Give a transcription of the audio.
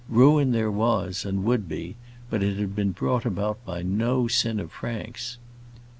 Ruin there was, and would be, but it had been brought about by no sin of Frank's.